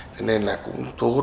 thế nên là cũng thu hút